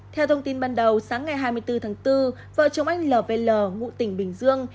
theo thông tin ban đầu sáng ngày hai mươi bốn tháng bốn vợ chồng anh lv ngụ tỉnh bình dương